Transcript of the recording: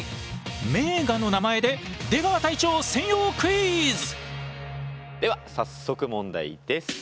名画の名前で出川隊長専用クイズ！では早速問題です。